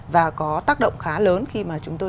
và có tác động khá lớn khi mà chúng tôi